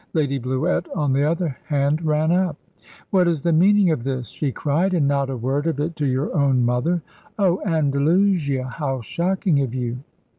Lady Bluett on the other hand ran up. "What is the meaning of this?" she cried. "And not a word of it to your own mother! Oh, Andalusia, how shocking of you!"